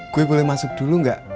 gue boleh masuk dulu nggak